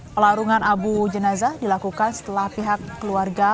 pelarungan abu jenazah dilakukan setelah pihak keluarga